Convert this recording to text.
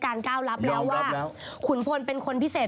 ก้าวรับแล้วว่าขุนพลเป็นคนพิเศษ